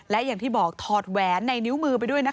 และยังที่บอกถอดแหวนในนิ้วมือไปด้วย